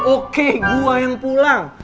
oke gua yang pulang